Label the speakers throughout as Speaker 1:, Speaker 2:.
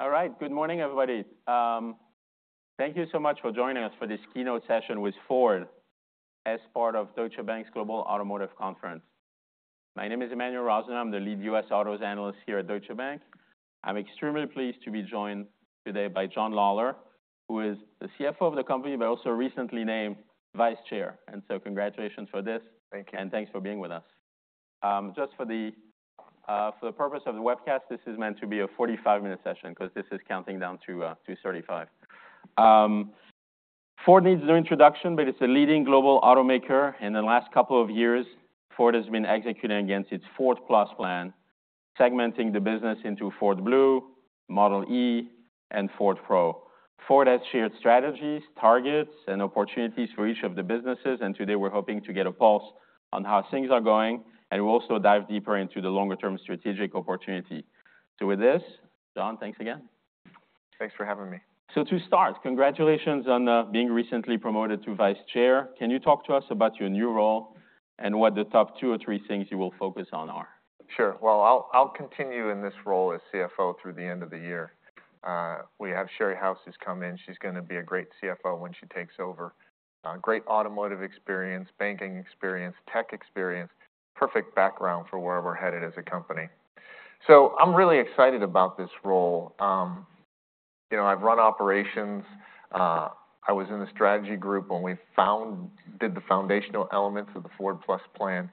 Speaker 1: All right. Good morning, everybody. Thank you so much for joining us for this keynote session with Ford as part of Deutsche Bank's Global Automotive Conference. My name is Emmanuel Rosner. I'm the lead U.S. autos analyst here at Deutsche Bank. I'm extremely pleased to be joined today by John Lawler, who is the CFO of the company, but also recently named Vice Chair. And so congratulations for this.
Speaker 2: Thank you.
Speaker 1: And thanks for being with us. Just for the purpose of the webcast, this is meant to be a 45-minute session 'cause this is counting down to 2:35. Ford needs no introduction, but it's a leading global automaker. In the last couple of years, Ford has been executing against its Ford+ plan, segmenting the business into Ford Blue, Model e, and Ford Pro. Ford has shared strategies, targets, and opportunities for each of the businesses. Today we're hoping to get a pulse on how things are going, and we'll also dive deeper into the longer-term strategic opportunity. So with this, John, thanks again.
Speaker 2: Thanks for having me.
Speaker 1: So to start, congratulations on being recently promoted to Vice Chair. Can you talk to us about your new role and what the top two or three things you will focus on are?
Speaker 2: Sure. Well, I'll, I'll continue in this role as CFO through the end of the year. We have Sherry House who's come in. She's gonna be a great CFO when she takes over. Great automotive experience, banking experience, tech experience, perfect background for where we're headed as a company. So I'm really excited about this role. You know, I've run operations. I was in the strategy group when we found, did the foundational elements of the Ford+ plan.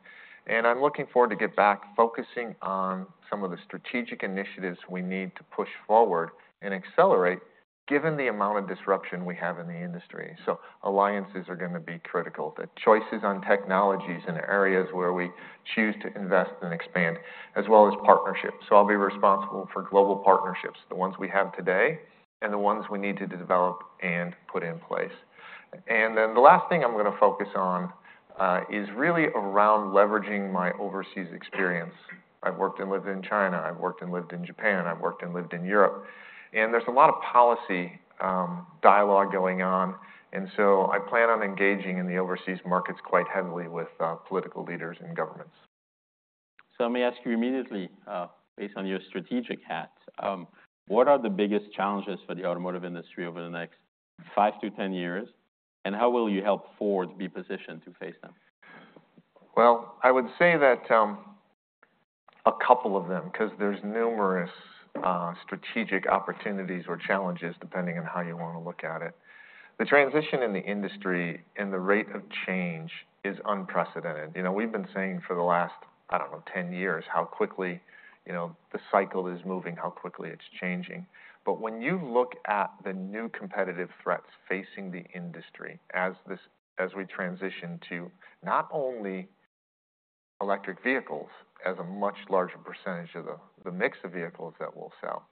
Speaker 2: And I'm looking forward to get back focusing on some of the strategic initiatives we need to push forward and accelerate, given the amount of disruption we have in the industry. So alliances are gonna be critical, the choices on technologies and areas where we choose to invest and expand, as well as partnerships. So I'll be responsible for global partnerships, the ones we have today and the ones we need to develop and put in place. And then the last thing I'm gonna focus on is really around leveraging my overseas experience. I've worked and lived in China. I've worked and lived in Japan. I've worked and lived in Europe. And there's a lot of policy dialogue going on. And so I plan on engaging in the overseas markets quite heavily with political leaders and governments.
Speaker 1: So let me ask you immediately, based on your strategic hat, what are the biggest challenges for the automotive industry over the next five to 10 years, and how will you help Ford be positioned to face them?
Speaker 2: Well, I would say that, a couple of them, 'cause there's numerous, strategic opportunities or challenges, depending on how you wanna look at it. The transition in the industry and the rate of change is unprecedented. You know, we've been saying for the last, I don't know, 10 years how quickly, you know, the cycle is moving, how quickly it's changing. But when you look at the new competitive threats facing the industry as we transition to not only electric vehicles as a much larger percentage of the mix of vehicles that we'll sell,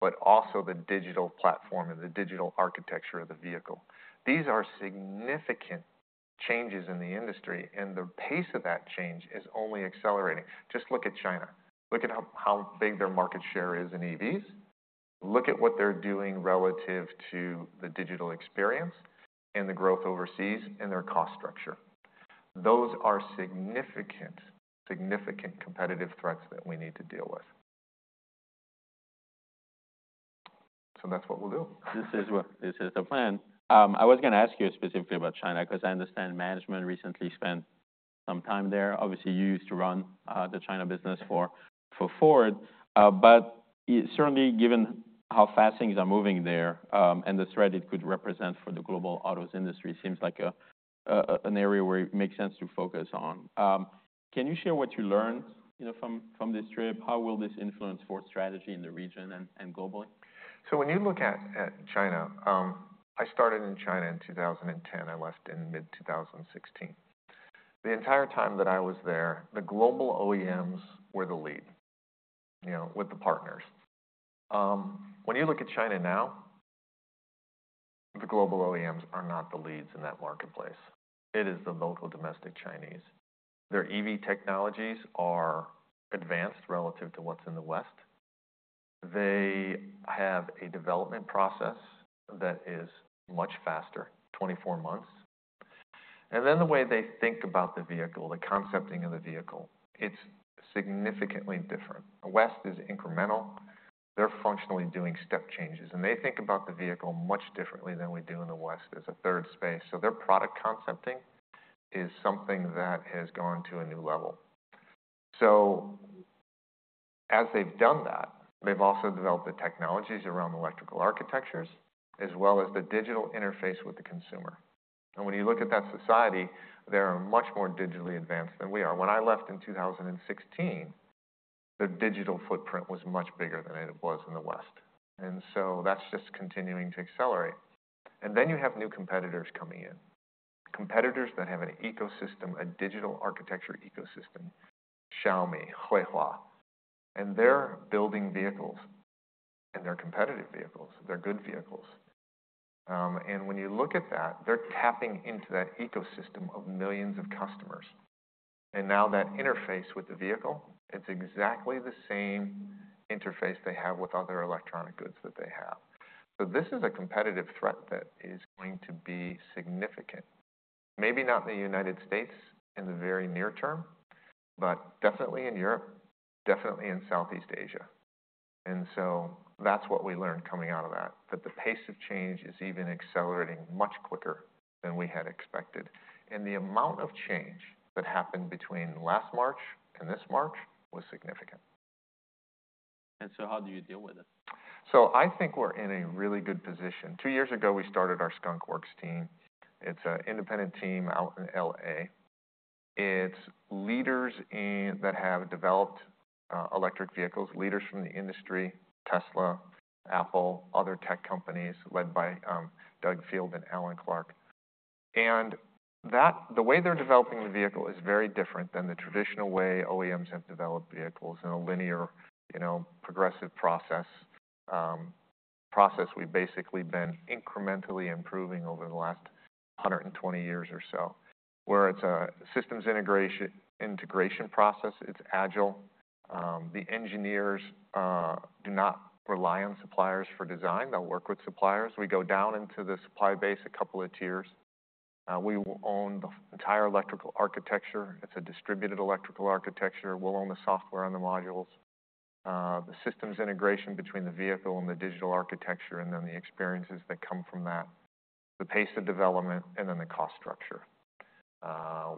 Speaker 2: but also the digital platform and the digital architecture of the vehicle, these are significant changes in the industry, and the pace of that change is only accelerating. Just look at China. Look at how big their market share is in EVs. Look at what they're doing relative to the digital experience and the growth overseas and their cost structure. Those are significant, significant competitive threats that we need to deal with. So that's what we'll do.
Speaker 1: This is the plan. I was gonna ask you specifically about China 'cause I understand management recently spent some time there. Obviously, you used to run the China business for Ford. But certainly, given how fast things are moving there, and the threat it could represent for the global autos industry, seems like an area where it makes sense to focus on. Can you share what you learned, you know, from this trip? How will this influence Ford's strategy in the region and globally?
Speaker 2: So when you look at China, I started in China in 2010. I left in mid-2016. The entire time that I was there, the global OEMs were the lead, you know, with the partners. When you look at China now, the global OEMs are not the leads in that marketplace. It is the local domestic Chinese. Their EV technologies are advanced relative to what's in the West. They have a development process that is much faster, 24 months. And then the way they think about the vehicle, the concepting of the vehicle, it's significantly different. West is incremental. They're functionally doing step changes, and they think about the vehicle much differently than we do in the West as a third space. So their product concepting is something that has gone to a new level. So as they've done that, they've also developed the technologies around electrical architectures as well as the digital interface with the consumer. And when you look at that society, they're much more digitally advanced than we are. When I left in 2016, their digital footprint was much bigger than it was in the West. And so that's just continuing to accelerate. And then you have new competitors coming in, competitors that have an ecosystem, a digital architecture ecosystem, Xiaomi, Huawei, and they're building vehicles, and they're competitive vehicles. They're good vehicles. And when you look at that, they're tapping into that ecosystem of millions of customers. And now that interface with the vehicle, it's exactly the same interface they have with other electronic goods that they have. This is a competitive threat that is going to be significant, maybe not in the United States in the very near term, but definitely in Europe, definitely in Southeast Asia. That's what we learned coming out of that, that the pace of change is even accelerating much quicker than we had expected. The amount of change that happened between last March and this March was significant.
Speaker 1: How do you deal with it?
Speaker 2: So I think we're in a really good position. Two years ago, we started our skunkworks team. It's an independent team out in L.A. Its leaders in that have developed electric vehicles, leaders from the industry, Tesla, Apple, other tech companies led by Doug Field and Alan Clarke. And that, the way they're developing the vehicle is very different than the traditional way OEMs have developed vehicles in a linear, you know, progressive process, process we've basically been incrementally improving over the last 120 years or so, where it's a systems integration, integration process. It's agile. The engineers do not rely on suppliers for design. They'll work with suppliers. We go down into the supply base a couple of tiers. We will own the entire electrical architecture. It's a distributed electrical architecture. We'll own the software on the modules, the systems integration between the vehicle and the digital architecture, and then the experiences that come from that, the pace of development, and then the cost structure.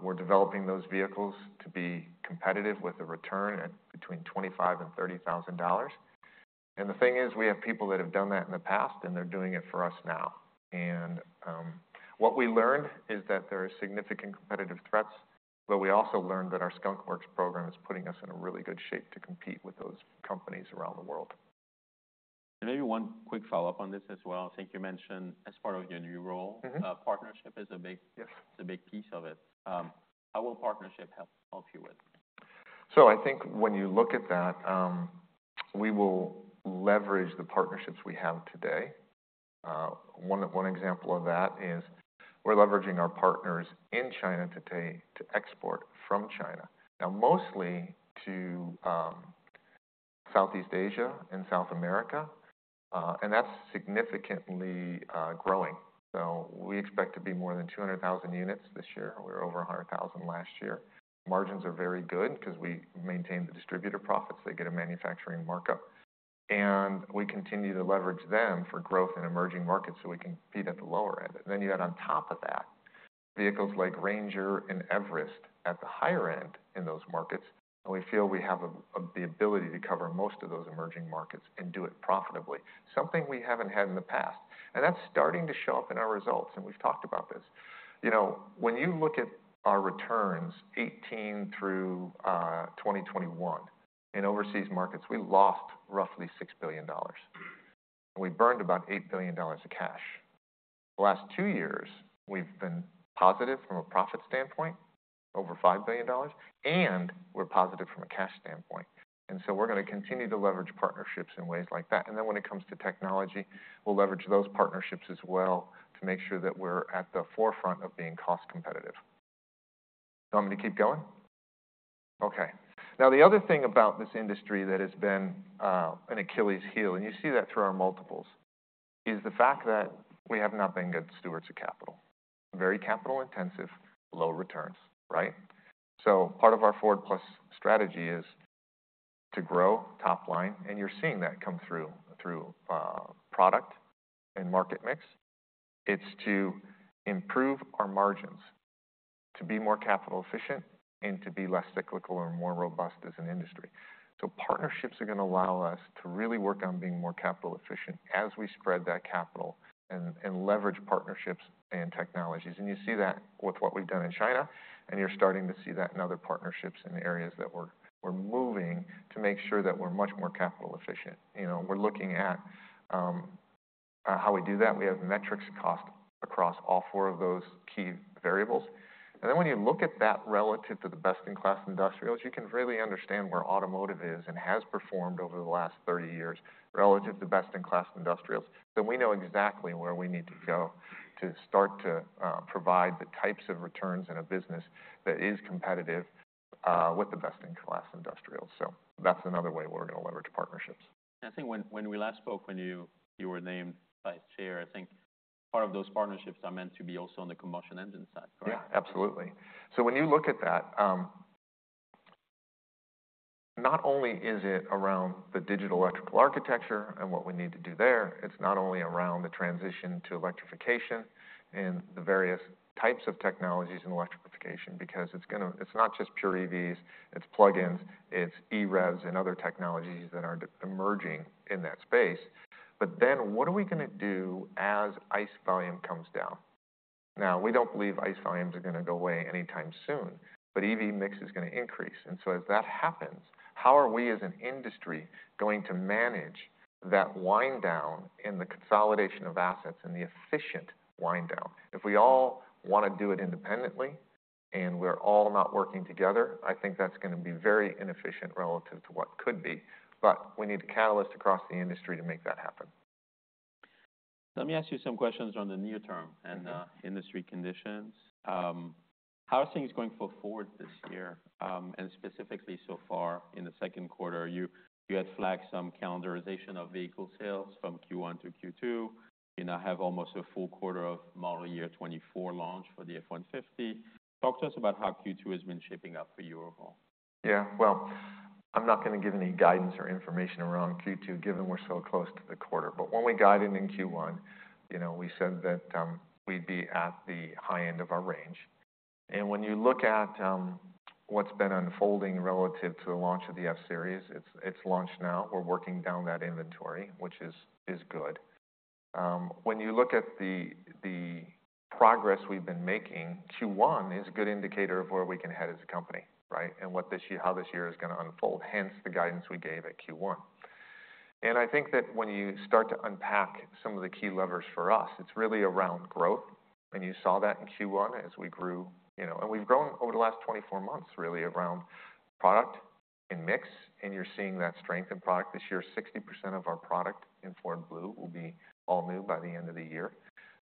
Speaker 2: We're developing those vehicles to be competitive with a return at between $25,000 and $30,000. And the thing is, we have people that have done that in the past, and they're doing it for us now. And, what we learned is that there are significant competitive threats, but we also learned that our skunkworks program is putting us in a really good shape to compete with those companies around the world.
Speaker 1: Maybe one quick follow-up on this as well. I think you mentioned as part of your new role.
Speaker 2: Mm-hmm.
Speaker 1: Partnership is a big.
Speaker 2: Yes.
Speaker 1: It's a big piece of it. How will partnership help you with?
Speaker 2: So I think when you look at that, we will leverage the partnerships we have today. One example of that is we're leveraging our partners in China to export from China, now mostly to Southeast Asia and South America. And that's significantly growing. So we expect to be more than 200,000 units this year. We were over 100,000 last year. Margins are very good 'cause we maintain the distributor profits. They get a manufacturing markup. And we continue to leverage them for growth in emerging markets so we can beat at the lower end. And then you add on top of that vehicles like Ranger and Everest at the higher end in those markets. And we feel we have the ability to cover most of those emerging markets and do it profitably, something we haven't had in the past. That's starting to show up in our results. We've talked about this. You know, when you look at our returns, 2018 through 2021, in overseas markets, we lost roughly $6 billion. We burned about $8 billion of cash. The last two years, we've been positive from a profit standpoint, over $5 billion, and we're positive from a cash standpoint. So we're gonna continue to leverage partnerships in ways like that. And then when it comes to technology, we'll leverage those partnerships as well to make sure that we're at the forefront of being cost competitive. Do you want me to keep going? Okay. Now, the other thing about this industry that has been an Achilles heel, and you see that through our multiples, is the fact that we have not been good stewards of capital, very capital-intensive, low returns, right? So part of our Ford+ strategy is to grow top line. And you're seeing that come through through product and market mix. It's to improve our margins, to be more capital-efficient, and to be less cyclical or more robust as an industry. So partnerships are gonna allow us to really work on being more capital-efficient as we spread that capital and leverage partnerships and technologies. And you see that with what we've done in China, and you're starting to see that in other partnerships in areas that we're moving to make sure that we're much more capital-efficient. You know, we're looking at how we do that. We have metrics cost across all four of those key variables. And then when you look at that relative to the best-in-class industrials, you can really understand where automotive is and has performed over the last 30 years relative to the best-in-class industrials. So we know exactly where we need to go to start to provide the types of returns in a business that is competitive, with the best-in-class industrials. So that's another way we're gonna leverage partnerships.
Speaker 1: I think when we last spoke, when you were named Vice Chair, I think part of those partnerships are meant to be also on the combustion engine side, correct?
Speaker 2: Yeah, absolutely. So when you look at that, not only is it around the digital electrical architecture and what we need to do there, it's not only around the transition to electrification and the various types of technologies in electrification because it's gonna, it's not just pure EVs. It's plug-ins. It's EREVs and other technologies that are emerging in that space. But then what are we gonna do as ICE volume comes down? Now, we don't believe ICE volumes are gonna go away anytime soon, but EV mix is gonna increase. And so as that happens, how are we as an industry going to manage that wind down in the consolidation of assets and the efficient wind down? If we all wanna do it independently and we're all not working together, I think that's gonna be very inefficient relative to what could be. But we need a catalyst across the industry to make that happen.
Speaker 1: Let me ask you some questions on the near-term and industry conditions. How are things going for Ford this year? And specifically so far in the second quarter, you had flagged some calendarization of vehicle sales from Q1 to Q2. You now have almost a full quarter of model year 2024 launch for the F-150. Talk to us about how Q2 has been shaping up for you overall.
Speaker 2: Yeah. Well, I'm not gonna give any guidance or information around Q2 given we're so close to the quarter. But when we got in, in Q1, you know, we said that we'd be at the high end of our range. And when you look at what's been unfolding relative to the launch of the F-Series, it's launched now. We're working down that inventory, which is good. When you look at the progress we've been making, Q1 is a good indicator of where we can head as a company, right, and what this year, how this year is gonna unfold, hence the guidance we gave at Q1. And I think that when you start to unpack some of the key levers for us, it's really around growth. You saw that in Q1 as we grew, you know, and we've grown over the last 24 months really around product and mix. You're seeing that strength in product this year. 60% of our product in Ford Blue will be all new by the end of the year.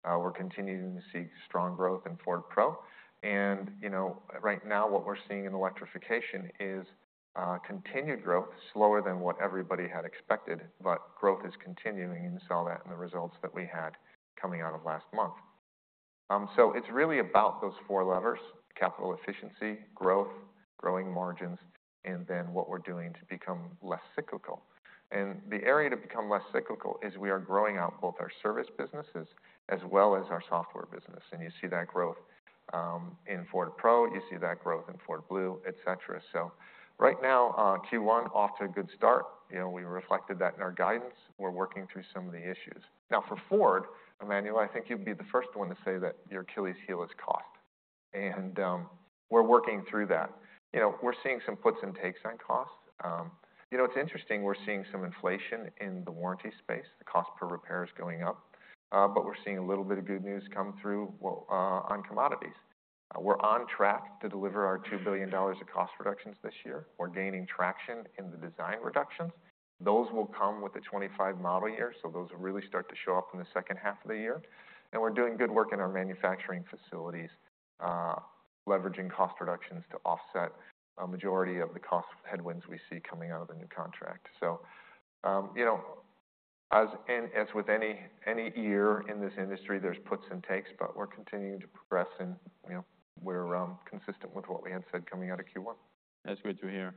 Speaker 2: We're continuing to see strong growth in Ford Pro. You know, right now what we're seeing in electrification is continued growth, slower than what everybody had expected, but growth is continuing and saw that in the results that we had coming out of last month. It's really about those four levers: capital efficiency, growth, growing margins, and then what we're doing to become less cyclical. The area to become less cyclical is we are growing out both our service businesses as well as our software business. You see that growth in Ford Pro. You see that growth in Ford Blue, et cetera. So right now, Q1 off to a good start. You know, we reflected that in our guidance. We're working through some of the issues. Now for Ford, Emmanuel, I think you'd be the first one to say that your Achilles heel is cost. We're working through that. You know, we're seeing some puts and takes on cost. You know, it's interesting. We're seeing some inflation in the warranty space. The cost per repair is going up. But we're seeing a little bit of good news come through, on commodities. We're on track to deliver our $2 billion of cost reductions this year. We're gaining traction in the design reductions. Those will come with the 2025 model year. So those will really start to show up in the second half of the year. We're doing good work in our manufacturing facilities, leveraging cost reductions to offset a majority of the cost headwinds we see coming out of the new contract. So, you know, as with any year in this industry, there's puts and takes, but we're continuing to progress and, you know, we're consistent with what we had said coming out of Q1.
Speaker 1: That's good to hear.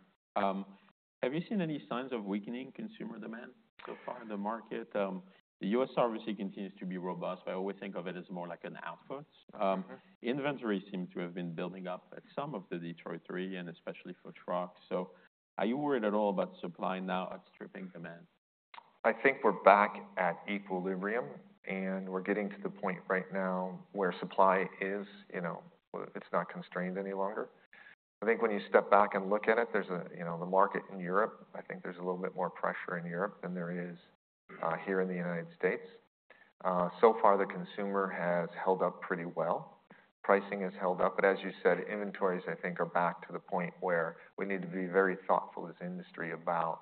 Speaker 1: Have you seen any signs of weakening consumer demand so far in the market? The U.S. obviously continues to be robust, but I always think of it as more like an output.
Speaker 2: Mm-hmm.
Speaker 1: Inventory seems to have been building up at some of the Detroit Three and especially for trucks. So, are you worried at all about supply now outstripping demand?
Speaker 2: I think we're back at equilibrium, and we're getting to the point right now where supply is, you know, it's not constrained any longer. I think when you step back and look at it, there's a, you know, the market in Europe, I think there's a little bit more pressure in Europe than there is here in the United States. So far, the consumer has held up pretty well. Pricing has held up. But as you said, inventories, I think, are back to the point where we need to be very thoughtful as an industry about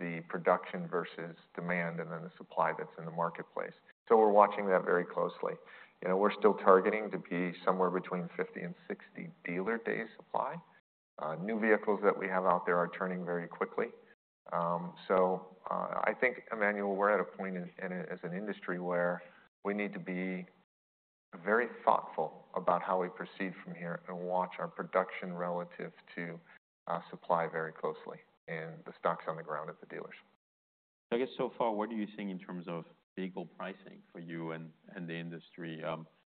Speaker 2: the production versus demand and then the supply that's in the marketplace. So we're watching that very closely. You know, we're still targeting to be somewhere between 50-60 dealer-day supply. New vehicles that we have out there are turning very quickly. So, I think, Emmanuel, we're at a point in as an industry where we need to be very thoughtful about how we proceed from here and watch our production relative to supply very closely and the stocks on the ground at the dealers.
Speaker 1: I guess so far, what do you think in terms of vehicle pricing for you and, and the industry?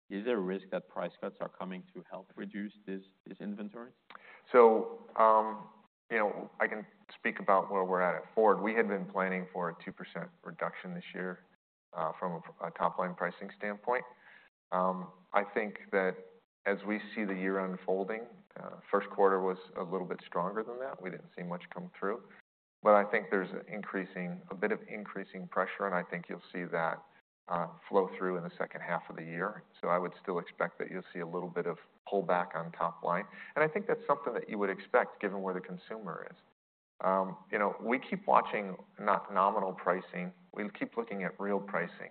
Speaker 1: Is there a risk that price cuts are coming to help reduce this, this inventory?
Speaker 2: So, you know, I can speak about where we're at at Ford. We had been planning for a 2% reduction this year, from a top line pricing standpoint. I think that as we see the year unfolding, first quarter was a little bit stronger than that. We didn't see much come through. But I think there's a bit of increasing pressure, and I think you'll see that flow through in the second half of the year. So I would still expect that you'll see a little bit of pullback on top line. And I think that's something that you would expect given where the consumer is. You know, we keep watching not nominal pricing. We keep looking at real pricing.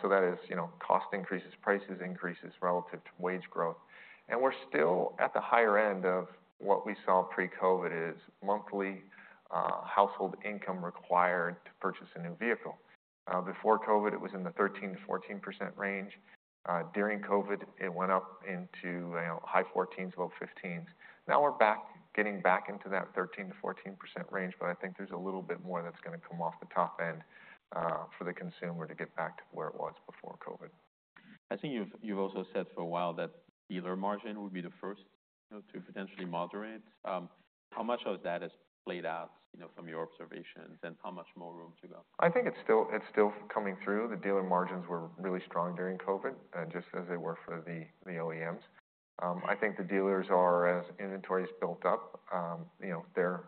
Speaker 2: So that is, you know, cost increases, price increases relative to wage growth. We're still at the higher end of what we saw pre-COVID: monthly household income required to purchase a new vehicle. Before COVID, it was in the 13%-14% range. During COVID, it went up into, you know, high 14s, low 15s. Now we're back, getting back into that 13%-14% range, but I think there's a little bit more that's gonna come off the top end for the consumer to get back to where it was before COVID.
Speaker 1: I think you've also said for a while that dealer margin would be the first, you know, to potentially moderate. How much of that has played out, you know, from your observations and how much more room to go?
Speaker 2: I think it's still, it's still coming through. The dealer margins were really strong during COVID, just as they were for the OEMs. I think the dealers are, as inventory's built up, you know, they're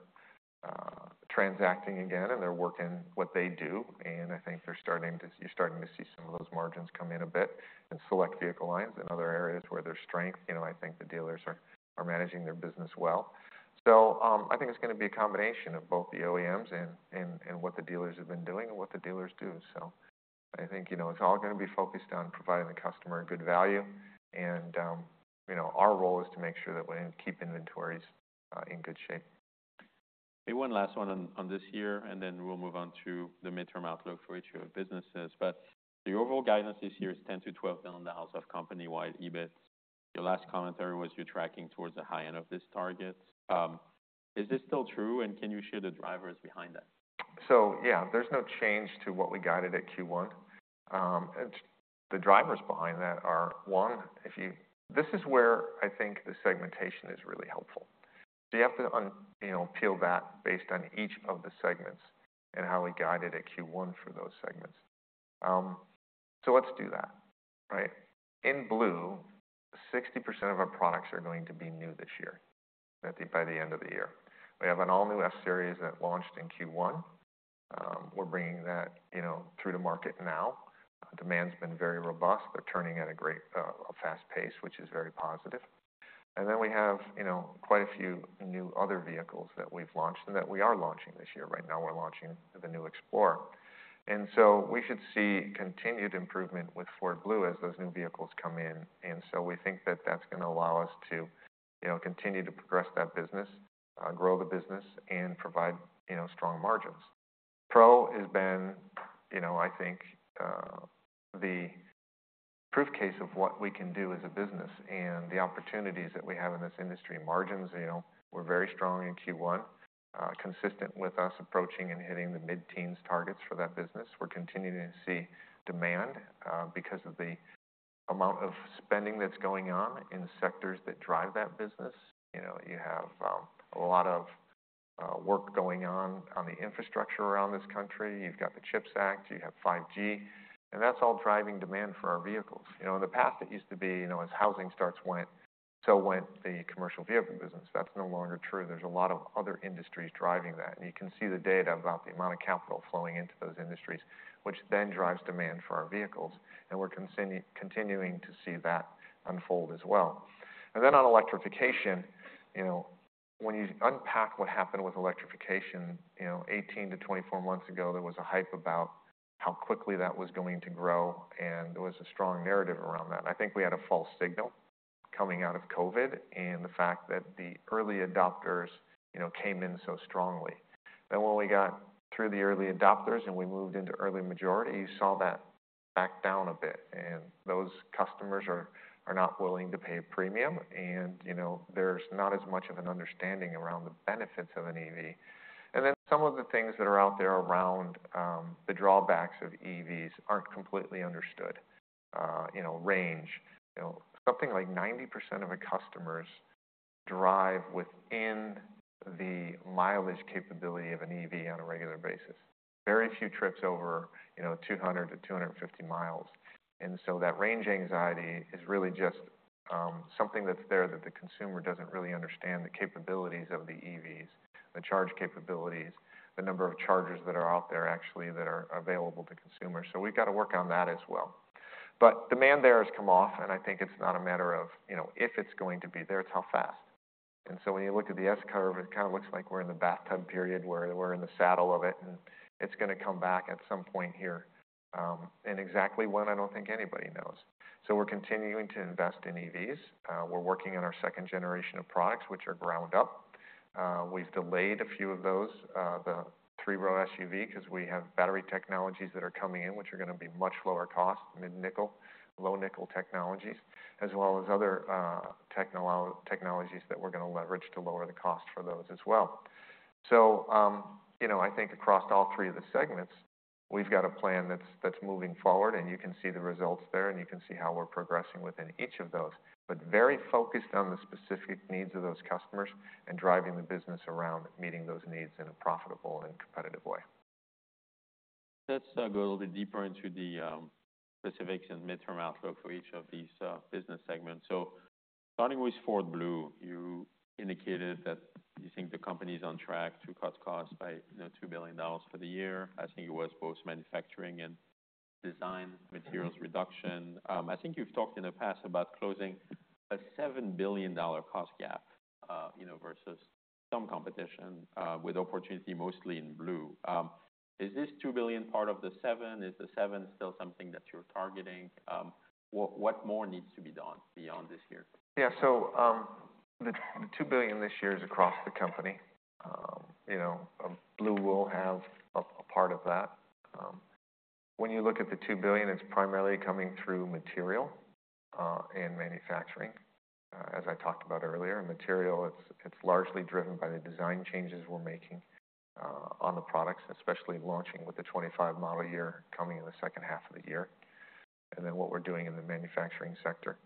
Speaker 2: transacting again and they're working what they do. And I think they're starting to, you're starting to see some of those margins come in a bit in select vehicle lines and other areas where there's strength. You know, I think the dealers are managing their business well. So, I think it's gonna be a combination of both the OEMs and what the dealers have been doing and what the dealers do. So I think, you know, it's all gonna be focused on providing the customer good value. And, you know, our role is to make sure that we keep inventories in good shape.
Speaker 1: Maybe one last one on this year, and then we'll move on to the midterm outlook for each of your businesses. But the overall guidance this year is $10 billion-$12 billion of company-wide EBITs. Your last commentary was you're tracking towards the high end of this target. Is this still true? And can you share the drivers behind that?
Speaker 2: So yeah, there's no change to what we guided at Q1. And the drivers behind that are one, if you, this is where I think the segmentation is really helpful. So you have to, you know, peel that based on each of the segments and how we guided at Q1 for those segments. So let's do that, right? In Blue, 60% of our products are going to be new this year, I think by the end of the year. We have an all-new F-Series that launched in Q1. We're bringing that, you know, through the market now. Demand's been very robust. They're turning at a great, a fast pace, which is very positive. And then we have, you know, quite a few new other vehicles that we've launched and that we are launching this year. Right now we're launching the new Explorer. We should see continued improvement with Ford Blue as those new vehicles come in. We think that that's gonna allow us to, you know, continue to progress that business, grow the business, and provide, you know, strong margins. Pro has been, you know, I think, the proof case of what we can do as a business and the opportunities that we have in this industry. Margins, you know, were very strong in Q1, consistent with us approaching and hitting the mid-teens targets for that business. We're continuing to see demand, because of the amount of spending that's going on in sectors that drive that business. You know, you have a lot of work going on, on the infrastructure miles around this country. You've got the CHIPS Act. You have 5G. That's all driving demand for our vehicles. You know, in the past, it used to be, you know, as housing starts went, so went the commercial vehicle business. That's no longer true. There's a lot of other industries driving that. You can see the data about the amount of capital flowing into those industries, which then drives demand for our vehicles. We're continuing to see that unfold as well. Then on electrification, you know, when you unpack what happened with electrification, you know, 18-24 months ago, there was a hype about how quickly that was going to grow. There was a strong narrative around that. I think we had a false signal coming out of COVID and the fact that the early adopters, you know, came in so strongly. Then when we got through the early adopters and we moved into early majority, you saw that back down a bit. And those customers are not willing to pay a premium. And, you know, there's not as much of an understanding around the benefits of an EV. And then some of the things that are out there around the drawbacks of EVs aren't completely understood. You know, range. You know, something like 90% of our customers drive within the mileage capability of an EV on a regular basis. Very few trips over, you know, 200-250 miles. And so that range anxiety is really just something that's there that the consumer doesn't really understand the capabilities of the EVs, the charge capabilities, the number of chargers that are out there actually that are available to consumers. So, we've gotta work on that as well. But demand there has come off, and I think it's not a matter of, you know, if it's going to be there. It's how fast. And so when you look at the S-curve, it kinda looks like we're in the bathtub period where we're in the saddle of it, and it's gonna come back at some point here. Exactly when, I don't think anybody knows. We're continuing to invest in EVs. We're working on our second generation of products, which are ground-up. We've delayed a few of those, the three-row SUV 'cause we have battery technologies that are coming in, which are gonna be much lower cost, mid-nickel, low-nickel technologies, as well as other, technology technologies that we're gonna leverage to lower the cost for those as well. So, you know, I think across all three of the segments, we've got a plan that's moving forward, and you can see the results there, and you can see how we're progressing within each of those, but very focused on the specific needs of those customers and driving the business around meeting those needs in a profitable and competitive way.
Speaker 1: Let's go a little bit deeper into the specifics and midterm outlook for each of these business segments. So starting with Ford Blue, you indicated that you think the company's on track to cut costs by, you know, $2 billion for the year. I think it was both manufacturing and design materials reduction. I think you've talked in the past about closing a $7 billion cost gap, you know, versus some competition, with opportunity mostly in Blue. Is this $2 billion part of the $7 billion? Is the $7 billion still something that you're targeting? What more needs to be done beyond this year?
Speaker 2: Yeah. So, the $2 billion this year is across the company. You know, Blue will have a part of that. When you look at the $2 billion, it's primarily coming through material and manufacturing, as I talked about earlier. And material, it's largely driven by the design changes we're making on the products, especially launching with the 2025 model year coming in the second half of the year, and then what we're doing in the manufacturing sector.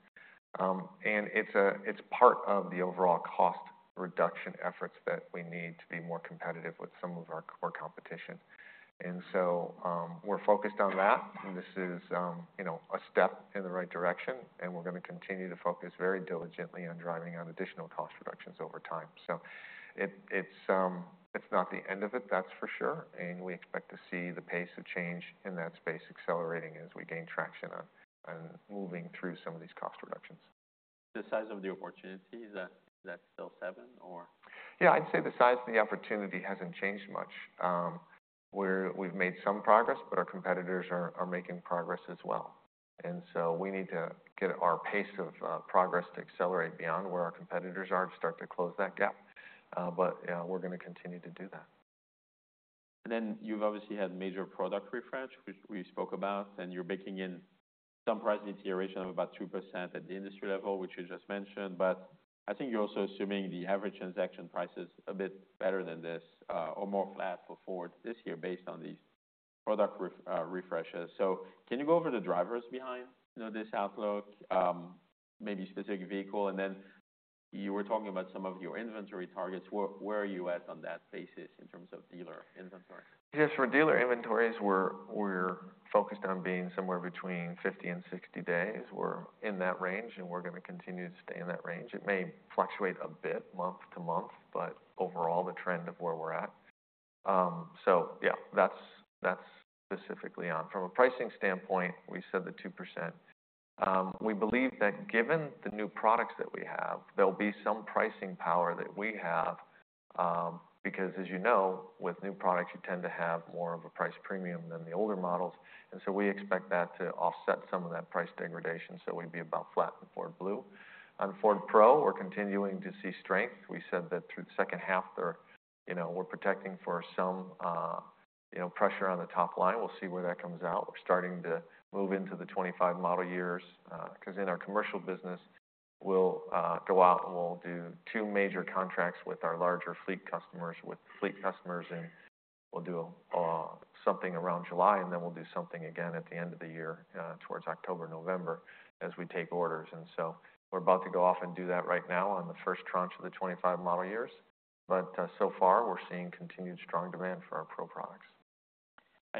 Speaker 2: And it's part of the overall cost reduction efforts that we need to be more competitive with some of our core competition. And so, we're focused on that. And this is, you know, a step in the right direction, and we're gonna continue to focus very diligently on driving out additional cost reductions over time. So it, it's not the end of it, that's for sure. We expect to see the pace of change in that space accelerating as we gain traction on moving through some of these cost reductions.
Speaker 1: The size of the opportunity, is that still $7 billion or?
Speaker 2: Yeah, I'd say the size of the opportunity hasn't changed much. We've made some progress, but our competitors are making progress as well. And so we need to get our pace of progress to accelerate beyond where our competitors are to start to close that gap. But we're gonna continue to do that.
Speaker 1: And then you've obviously had major product refresh, which we spoke about, and you're baking in some price deterioration of about 2% at the industry level, which you just mentioned. But I think you're also assuming the average transaction price is a bit better than this, or more flat for Ford this year based on these product refreshes. So can you go over the drivers behind, you know, this outlook, maybe specific vehicle? And then you were talking about some of your inventory targets. Where are you at on that basis in terms of dealer inventory?
Speaker 2: Just for dealer inventories, we're focused on being somewhere between 50 and 60 days. We're in that range, and we're gonna continue to stay in that range. It may fluctuate a bit month to month, but overall, the trend of where we're at. So yeah, that's specifically on. From a pricing standpoint, we said the 2%. We believe that given the new products that we have, there'll be some pricing power that we have, because as you know, with new products, you tend to have more of a price premium than the older models. And so we expect that to offset some of that price degradation. So we'd be about flat in Ford Blue. On Ford Pro, we're continuing to see strength. We said that through the second half, they're, you know, we're protecting for some, you know, pressure on the top line. We'll see where that comes out. We're starting to move into the 2025 model years, 'cause in our commercial business, we'll go out and we'll do two major contracts with our larger fleet customers, we'll do a something around July, and then we'll do something again at the end of the year, towards October, November as we take orders. So we're about to go off and do that right now on the first tranche of the 2025 model years. So far, we're seeing continued strong demand for our Pro products.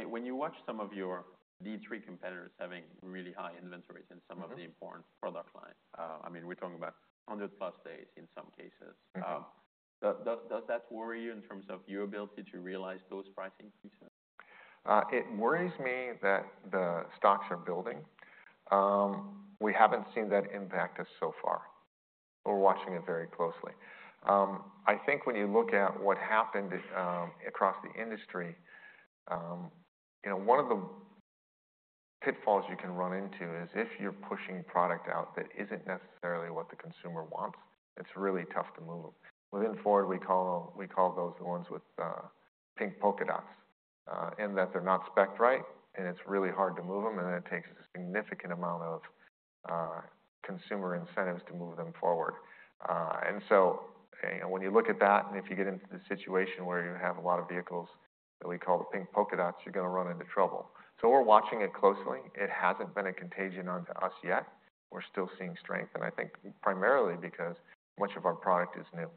Speaker 1: When you watch some of your D3 competitors having really high inventories in some of the important product lines, I mean, we're talking about 100+ days in some cases. Does that worry you in terms of your ability to realize those price increases?
Speaker 2: It worries me that the stocks are building. We haven't seen that impact us so far. We're watching it very closely. I think when you look at what happened, across the industry, you know, one of the pitfalls you can run into is if you're pushing product out that isn't necessarily what the consumer wants, it's really tough to move. Within Ford, we call, we call those the ones with, pink polka dots, and that they're not specced right, and it's really hard to move them. And then it takes a significant amount of, consumer incentives to move them forward. And so, you know, when you look at that, and if you get into the situation where you have a lot of vehicles that we call the pink polka dots, you're gonna run into trouble. So we're watching it closely. It hasn't been a contagion onto us yet. We're still seeing strength, and I think primarily because much of our product is new.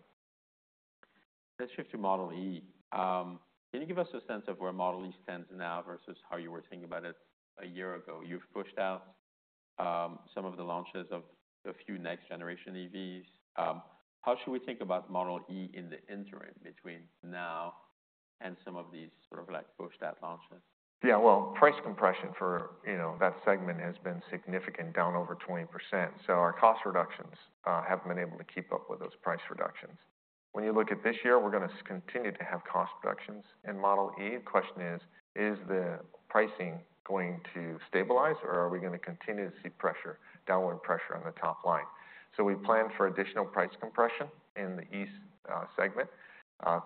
Speaker 1: Let's shift to Model e. Can you give us a sense of where Model e stands now versus how you were thinking about it a year ago? You've pushed out some of the launches of a few next generation EVs. How should we think about Model e in the interim between now and some of these sort of like pushed-out launches?
Speaker 2: Yeah. Well, price compression for, you know, that segment has been significant, down over 20%. So our cost reductions haven't been able to keep up with those price reductions. When you look at this year, we're gonna continue to have cost reductions in Model e. The question is, is the pricing going to stabilize, or are we gonna continue to see pressure, downward pressure on the top line? So we plan for additional price compression in the e segment,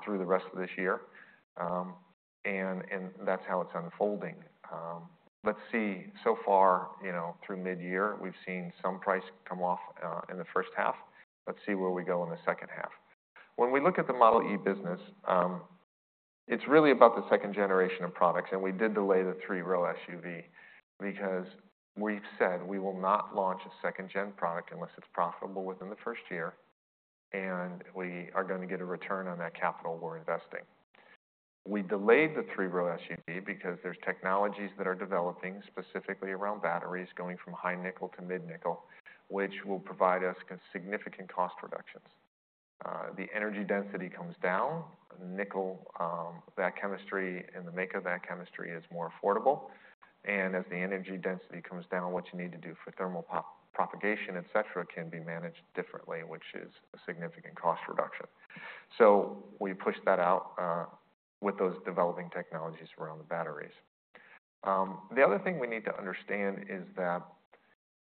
Speaker 2: through the rest of this year, and that's how it's unfolding. Let's see. So far, you know, through mid-year, we've seen some price come off in the first half. Let's see where we go in the second half. When we look at the Model e business, it's really about the second generation of products. We did delay the three-row SUV because we've said we will not launch a second-gen product unless it's profitable within the first year, and we are gonna get a return on that capital we're investing. We delayed the three-row SUV because there's technologies that are developing specifically around batteries going from high nickel to mid-nickel, which will provide us significant cost reductions. The energy density comes down. Nickel, that chemistry and the make of that chemistry is more affordable. And as the energy density comes down, what you need to do for thermal propagation, etc., can be managed differently, which is a significant cost reduction. So we pushed that out, with those developing technologies around the batteries. The other thing we need to understand is that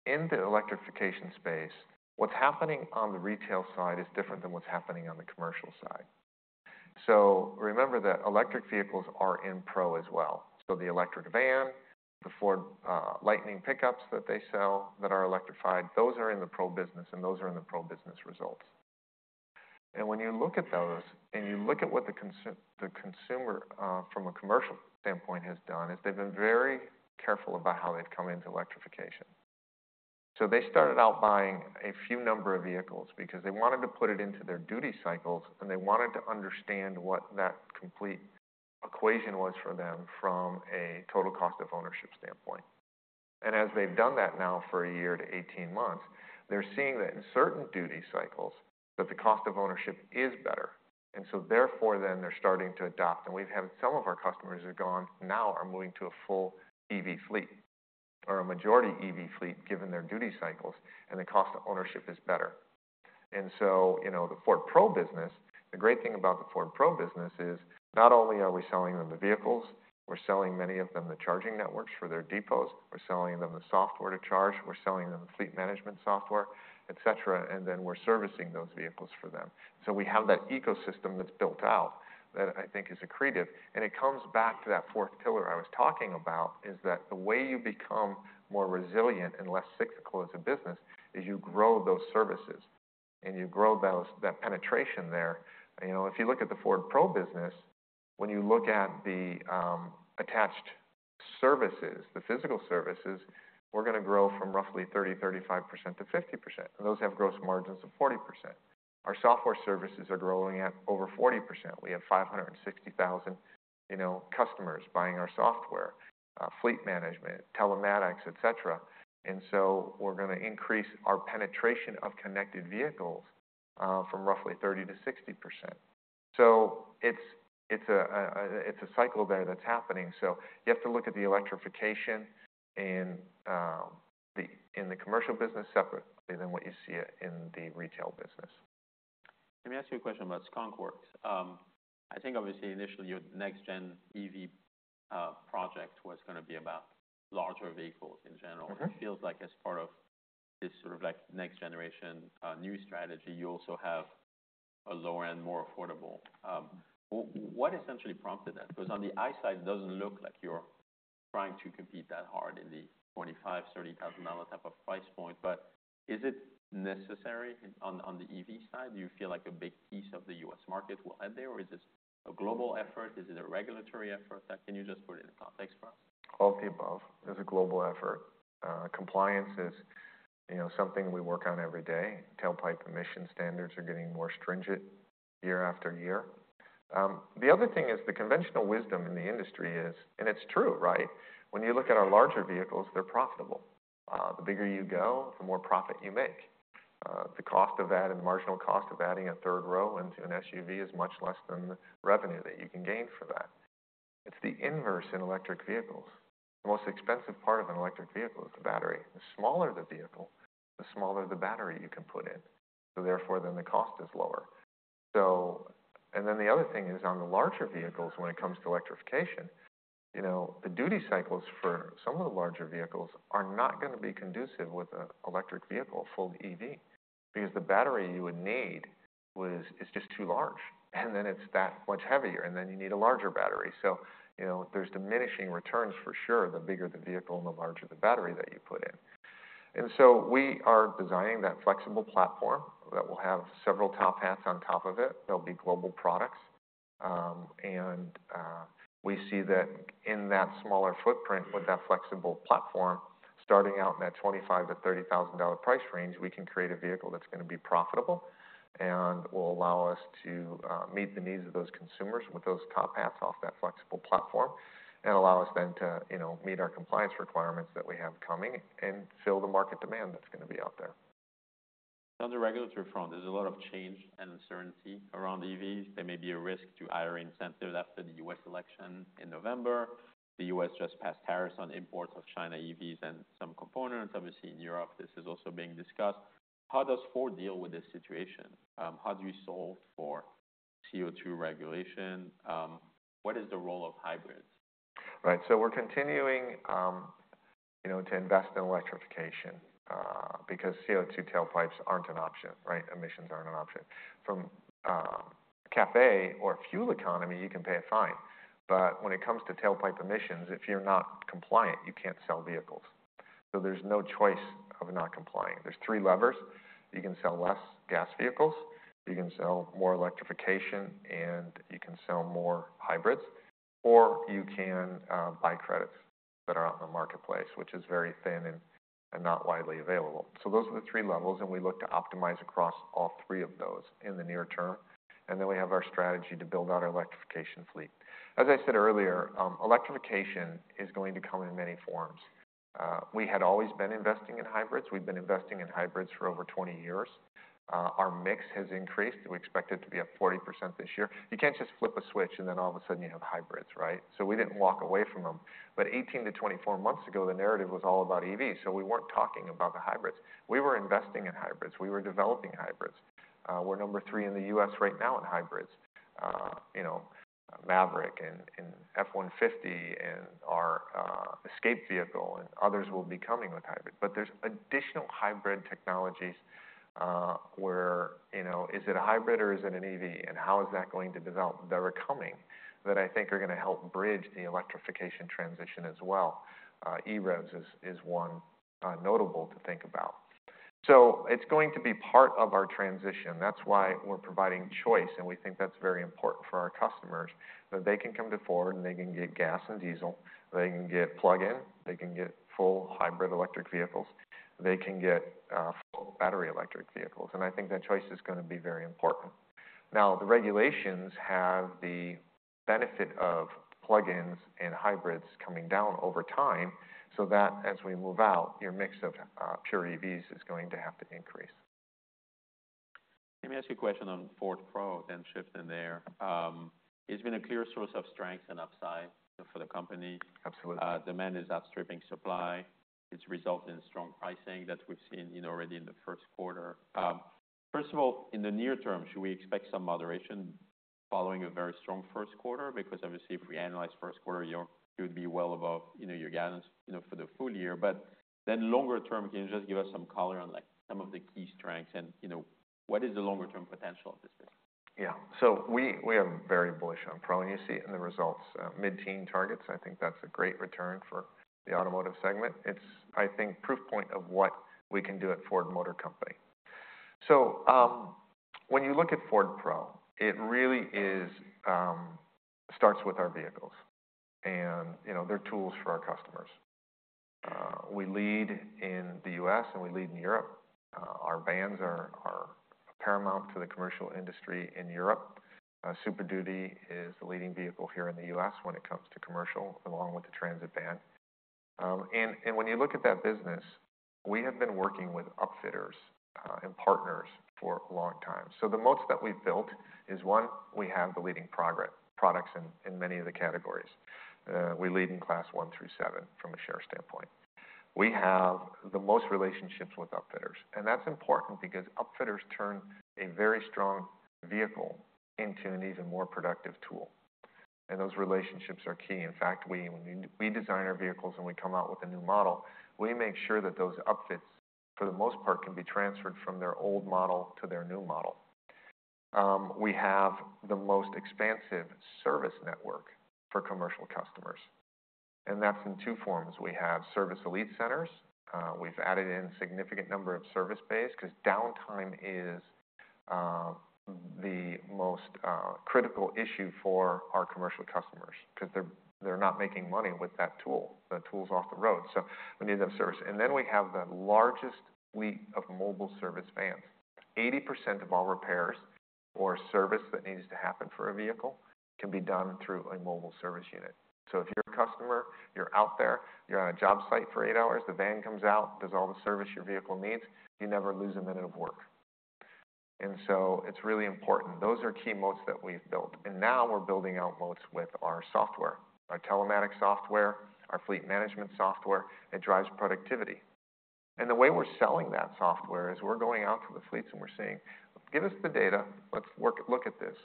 Speaker 2: in the electrification space, what's happening on the retail side is different than what's happening on the commercial side. So remember that electric vehicles are in Pro as well. So the electric van, the F-150 Lightning pickups that they sell that are electrified, those are in the Pro business, and those are in the Pro business results. And when you look at those and you look at what the consumer, from a commercial standpoint, has done, is they've been very careful about how they've come into electrification. So they started out buying a few number of vehicles because they wanted to put it into their duty cycles, and they wanted to understand what that complete equation was for them from a total cost of ownership standpoint. And as they've done that now for a year to 18 months, they're seeing that in certain duty cycles that the cost of ownership is better. And so therefore, then they're starting to adopt. And we've had some of our customers have gone now are moving to a full EV fleet or a majority EV fleet given their duty cycles, and the cost of ownership is better. And so, you know, the Ford Pro business, the great thing about the Ford Pro business is not only are we selling them the vehicles, we're selling many of them the charging networks for their depots, we're selling them the software to charge, we're selling them the fleet management software, etc., and then we're servicing those vehicles for them. So we have that ecosystem that's built out that I think is accretive. And it comes back to that fourth pillar I was talking about, is that the way you become more resilient and less cyclical as a business is you grow those services and you grow those, that penetration there. You know, if you look at the Ford Pro business, when you look at the attached services, the physical services, we're gonna grow from roughly 30%-35% to 50%. And those have gross margins of 40%. Our software services are growing at over 40%. We have 560,000, you know, customers buying our software, fleet management, telematics, etc. And so we're gonna increase our penetration of connected vehicles, from roughly 30%-60%. So it's a cycle there that's happening. So you have to look at the electrification in the commercial business separately than what you see in the retail business.
Speaker 1: Let me ask you a question about skunkworks. I think obviously initially your next gen EV project was gonna be about larger vehicles in general.
Speaker 2: Mm-hmm.
Speaker 1: It feels like as part of this sort of like next generation, new strategy, you also have a lower and more affordable. What, what essentially prompted that? 'Cause on the ICE side, it doesn't look like you're trying to compete that hard in the $25,000-$30,000 type of price point. But is it necessary on, on the EV side? Do you feel like a big piece of the U.S. market will be there, or is this a global effort? Is it a regulatory effort? Like, can you just put it in context for us?
Speaker 2: Above the above. It's a global effort. Compliance is, you know, something we work on every day. Tailpipe emission standards are getting more stringent year after year. The other thing is the conventional wisdom in the industry is, and it's true, right? When you look at our larger vehicles, they're profitable. The bigger you go, the more profit you make. The cost of that and the marginal cost of adding a third row into an SUV is much less than the revenue that you can gain for that. It's the inverse in electric vehicles. The most expensive part of an electric vehicle is the battery. The smaller the vehicle, the smaller the battery you can put in. So therefore, then the cost is lower. So, and then the other thing is on the larger vehicles, when it comes to electrification, you know, the duty cycles for some of the larger vehicles are not gonna be conducive with an electric vehicle, a full EV, because the battery you would need is just too large. And then it's that much heavier, and then you need a larger battery. So, you know, there's diminishing returns for sure, the bigger the vehicle and the larger the battery that you put in. And so we are designing that flexible platform that will have several top hats on top of it. There'll be global products. We see that in that smaller footprint with that flexible platform, starting out in that $25,000-$30,000 price range, we can create a vehicle that's gonna be profitable and will allow us to meet the needs of those consumers with those top hats off that flexible platform and allow us then to, you know, meet our compliance requirements that we have coming and fill the market demand that's gonna be out there.
Speaker 1: On the regulatory front, there's a lot of change and uncertainty around EVs. There may be a risk to higher incentives after the U.S. election in November. The U.S. just passed tariffs on imports of China EVs and some components. Obviously, in Europe, this is also being discussed. How does Ford deal with this situation? How do you solve for CO2 regulation? What is the role of hybrids?
Speaker 2: Right. So we're continuing, you know, to invest in electrification, because CO2 tailpipes aren't an option, right? Emissions aren't an option. From CAFE or fuel economy, you can pay a fine. But when it comes to tailpipe emissions, if you're not compliant, you can't sell vehicles. So there's no choice of not complying. There's three levers. You can sell less gas vehicles, you can sell more electrification, and you can sell more hybrids, or you can buy credits that are out in the marketplace, which is very thin and not widely available. So those are the three levels, and we look to optimize across all three of those in the near term. And then we have our strategy to build out our electrification fleet. As I said earlier, electrification is going to come in many forms. We had always been investing in hybrids. We've been investing in hybrids for over 20 years. Our mix has increased. We expect it to be up 40% this year. You can't just flip a switch and then all of a sudden you have hybrids, right? So we didn't walk away from them. But 18-24 months ago, the narrative was all about EVs. So we weren't talking about the hybrids. We were investing in hybrids. We were developing hybrids. We're number three in the U.S. right now in hybrids, you know, Maverick and F-150 and our Escape vehicle, and others will be coming with hybrids. But there's additional hybrid technologies, where, you know, is it a hybrid or is it an EV, and how is that going to develop that are coming that I think are gonna help bridge the electrification transition as well. EREVs is one notable to think about. So it's going to be part of our transition. That's why we're providing choice, and we think that's very important for our customers, that they can come to Ford and they can get gas and diesel, they can get plug-in, they can get full hybrid electric vehicles, they can get full battery electric vehicles. And I think that choice is gonna be very important. Now, the regulations have the benefit of plug-ins and hybrids coming down over time so that as we move out, your mix of pure EVs is going to have to increase.
Speaker 1: Let me ask you a question on Ford Pro, then shift in there. It's been a clear source of strength and upside for the company.
Speaker 2: Absolutely.
Speaker 1: Demand is outstripping supply. It's resulted in strong pricing that we've seen, you know, already in the first quarter. First of all, in the near term, should we expect some moderation following a very strong first quarter? Because obviously, if we analyze first quarter, you'd be well above, you know, your gallons, you know, for the full year. But then longer term, can you just give us some color on like some of the key strengths and, you know, what is the longer term potential of this business?
Speaker 2: Yeah. So we have very bullish on Pro, and you see in the results, mid-teen targets. I think that's a great return for the automotive segment. It's, I think, proof point of what we can do at Ford Motor Company. So, when you look at Ford Pro, it really starts with our vehicles and, you know, they're tools for our customers. We lead in the U.S. and we lead in Europe. Our vans are paramount to the commercial industry in Europe. Super Duty is the leading vehicle here in the U.S. when it comes to commercial, along with the Transit van. And when you look at that business, we have been working with upfitters and partners for a long time. So the moats that we've built is one, we have the leading Pro's products in many of the categories. We lead in Class 1 through 7 from a share standpoint. We have the most relationships with upfitters. And that's important because upfitters turn a very strong vehicle into an even more productive tool. And those relationships are key. In fact, when we design our vehicles and we come out with a new model, we make sure that those upfits, for the most part, can be transferred from their old model to their new model. We have the most expansive service network for commercial customers. And that's in two forms. We have Service Elite centers. We've added in a significant number of service space 'cause downtime is the most critical issue for our commercial customers 'cause they're not making money with that tool. The tool's off the road. So we need that service. And then we have the largest fleet of mobile service vans. 80% of all repairs or service that needs to happen for a vehicle can be done through a mobile service unit. So if you're a customer, you're out there, you're on a job site for eight hours, the van comes out, does all the service your vehicle needs, you never lose a minute of work. And so it's really important. Those are key moats that we've built. And now we're building out moats with our software, our telematics software, our fleet management software. It drives productivity. And the way we're selling that software is we're going out to the fleets and we're saying, "Give us the data. Let's work, look at this,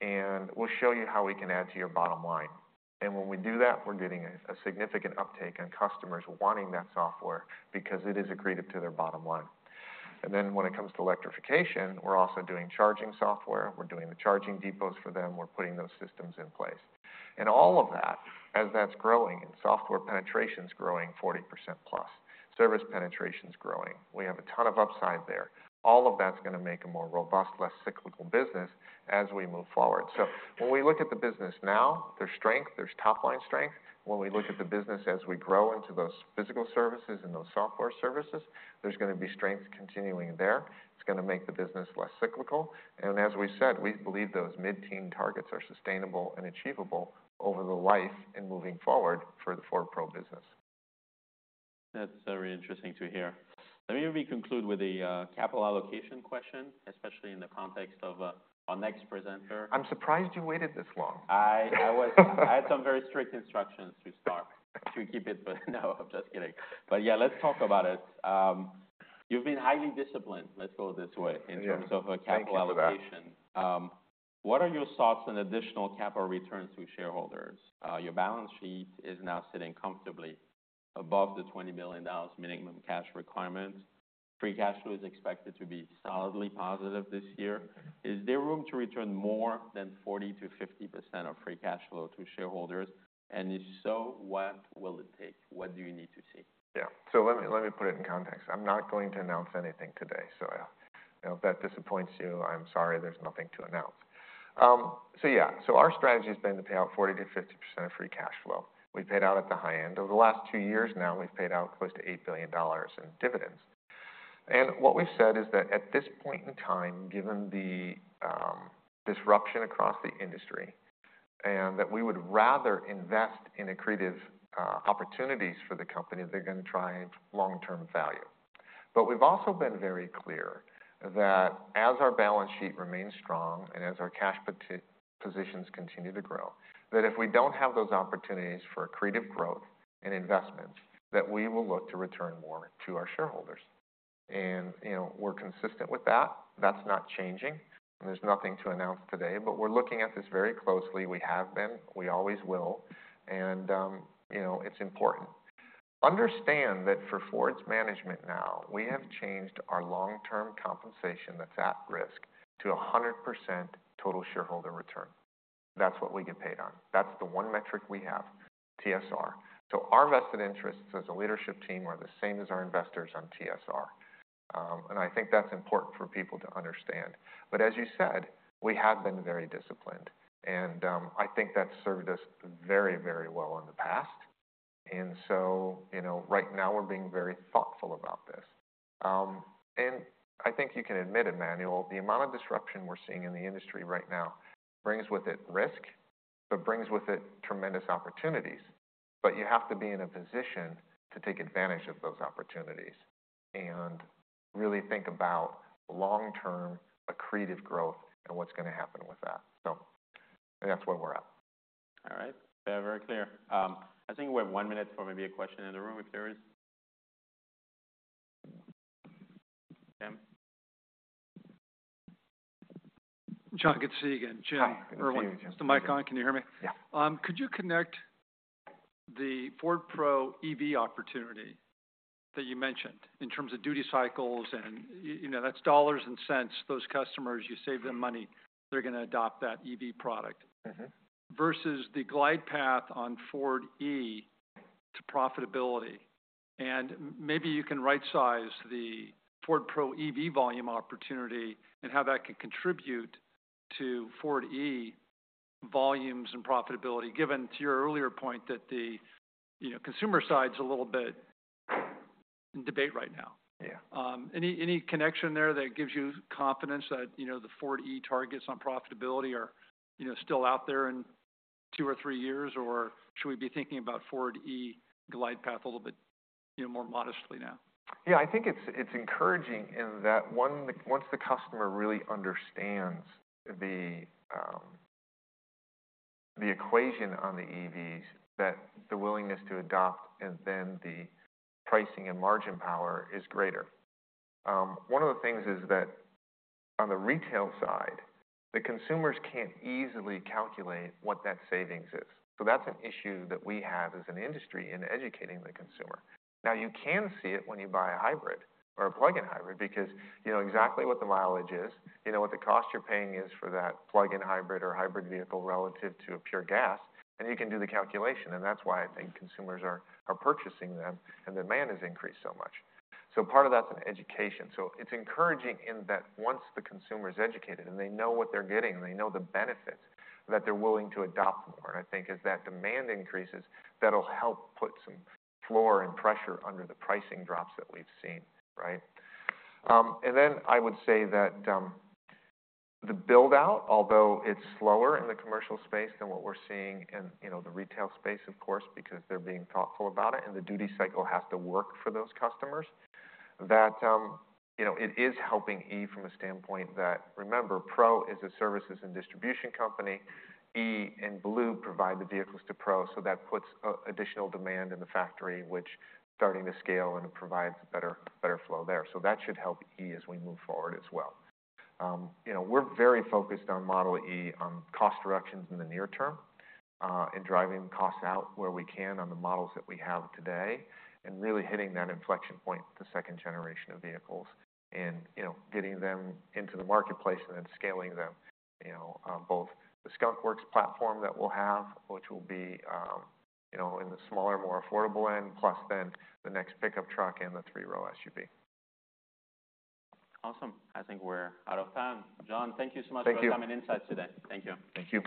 Speaker 2: and we'll show you how we can add to your bottom line." And when we do that, we're getting a significant uptake on customers wanting that software because it is accretive to their bottom line. And then when it comes to electrification, we're also doing charging software. We're doing the charging depots for them. We're putting those systems in place. And all of that, as that's growing and software penetration's growing 40%+, service penetration's growing, we have a ton of upside there. All of that's gonna make a more robust, less cyclical business as we move forward. So when we look at the business now, there's strength, there's top line strength. When we look at the business as we grow into those physical services and those software services, there's gonna be strength continuing there. It's gonna make the business less cyclical. And as we said, we believe those mid-teen targets are sustainable and achievable over the life and moving forward for the Ford Pro business.
Speaker 1: That's very interesting to hear. Let me maybe conclude with a capital allocation question, especially in the context of our next presenter.
Speaker 2: I'm surprised you waited this long.
Speaker 1: I was, I had some very strict instructions to start to keep it, but no, I'm just kidding. But yeah, let's talk about it. You've been highly disciplined, let's go this way.
Speaker 2: Absolutely.
Speaker 1: In terms of capital allocation. What are your thoughts on additional capital returns to shareholders? Your balance sheet is now sitting comfortably above the $20 billion minimum cash requirement. Free cash flow is expected to be solidly positive this year. Is there room to return more than 40%-50% of free cash flow to shareholders? And if so, what will it take? What do you need to see?
Speaker 2: Yeah. So let me, let me put it in context. I'm not going to announce anything today. So if that disappoints you, I'm sorry, there's nothing to announce. So yeah, so our strategy has been to pay out 40%-50% of free cash flow. We've paid out at the high end. Over the last two years now, we've paid out close to $8 billion in dividends. And what we've said is that at this point in time, given the disruption across the industry and that we would rather invest in accretive opportunities for the company, they're gonna drive long-term value. But we've also been very clear that as our balance sheet remains strong and as our cash positions continue to grow, that if we don't have those opportunities for accretive growth and investments, that we will look to return more to our shareholders. You know, we're consistent with that. That's not changing. There's nothing to announce today, but we're looking at this very closely. We have been, we always will. You know, it's important. Understand that for Ford's management now, we have changed our long-term compensation that's at risk to 100% total shareholder return. That's what we get paid on. That's the one metric we have, TSR. So our vested interests as a leadership team are the same as our investors on TSR. And I think that's important for people to understand. But as you said, we have been very disciplined. I think that's served us very, very well in the past. You know, right now we're being very thoughtful about this. I think you can admit it, Emmanuel, the amount of disruption we're seeing in the industry right now brings with it risk, but brings with it tremendous opportunities. But you have to be in a position to take advantage of those opportunities and really think about long-term accretive growth and what's gonna happen with that. So that's where we're at.
Speaker 1: All right. Fair, very clear. I think we have one minute for maybe a question in the room if there is. Tim.
Speaker 3: John, good to see you again.
Speaker 2: Hi.
Speaker 3: John, everyone.
Speaker 2: Good to see you again.
Speaker 3: Is the mic on? Can you hear me?
Speaker 2: Yeah.
Speaker 3: Could you connect the Ford Pro EV opportunity that you mentioned in terms of duty cycles and, you know, that's dollars and cents, those customers, you save them money, they're gonna adopt that EV product?
Speaker 2: Mm-hmm.
Speaker 3: Versus the glide path on Ford Model e to profitability. Maybe you can right-size the Ford Pro EV volume opportunity and how that can contribute to Ford Model e volumes and profitability given your earlier point that the, you know, consumer side's a little bit in debate right now.
Speaker 2: Yeah.
Speaker 3: Any connection there that gives you confidence that, you know, the Ford Model e targets on profitability are, you know, still out there in two or three years, or should we be thinking about Ford Model e glide path a little bit, you know, more modestly now?
Speaker 2: Yeah. I think it's encouraging in that one, once the customer really understands the equation on the EVs, that the willingness to adopt and then the pricing and margin power is greater. One of the things is that on the retail side, the consumers can't easily calculate what that savings is. So that's an issue that we have as an industry in educating the consumer. Now, you can see it when you buy a hybrid or a plug-in hybrid because you know exactly what the mileage is, you know what the cost you're paying is for that plug-in hybrid or hybrid vehicle relative to a pure gas, and you can do the calculation. And that's why I think consumers are purchasing them and demand has increased so much. So part of that's an education. So it's encouraging in that once the consumer's educated and they know what they're getting and they know the benefits that they're willing to adopt more. I think as that demand increases, that'll help put some floor and pressure under the pricing drops that we've seen, right? And then I would say that the buildout, although it's slower in the commercial space than what we're seeing in, you know, the retail space, of course, because they're being thoughtful about it and the duty cycle has to work for those customers, that, you know, it is helping E from a standpoint that, remember, Pro is a services and distribution company. E and Blue provide the vehicles to Pro, so that puts an additional demand in the factory, which starting to scale and it provides better, better flow there. So that should help E as we move forward as well. You know, we're very focused on Model e, on cost reductions in the near term, and driving costs out where we can on the models that we have today and really hitting that inflection point with the second generation of vehicles and, you know, getting them into the marketplace and then scaling them, you know, both the skunkworks platform that we'll have, which will be, you know, in the smaller, more affordable end, plus then the next pickup truck and the three-row SUV.
Speaker 1: Awesome. I think we're out of time. John, thank you so much for your time and insights today.
Speaker 2: Thank you.
Speaker 1: Thank you.